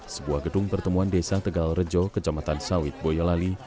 sebuah gedung pertemuan desa tegal rejo kecamatan sawit boyolali